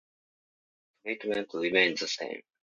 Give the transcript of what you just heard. Treatment remained the same.